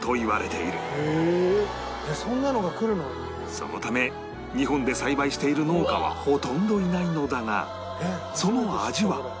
そのため日本で栽培している農家はほとんどいないのだがその味は